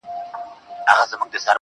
• زه هم له خدايه څخه غواړمه تا.